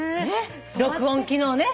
録音機能ね。